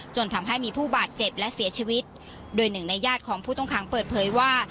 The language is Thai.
จนทำให้มีผู้บาดเจ็บและเสียชีวิตโดยหนึ่งในญาติของผู้ต้องขังเปิดเผยว่า